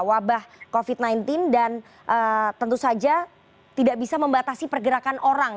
wabah covid sembilan belas dan tentu saja tidak bisa membatasi pergerakan orang